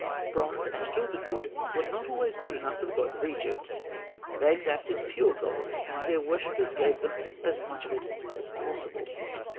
Bronze and gilded wood were not always good enough for the gods of Egypt. They exacted pure gold, and their worshippers gave them as much of it as possible.